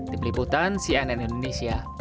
di peliputan cnn indonesia